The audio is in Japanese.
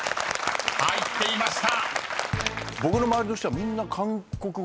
［入っていました］